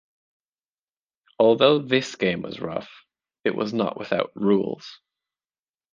Although this game was rough, it was not without rules.